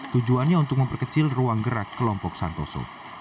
tujuannya untuk memperkecil ruang gerak kelompok santoso